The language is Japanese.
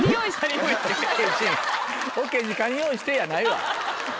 「ＯＫ陣カニ用意して」やないわ。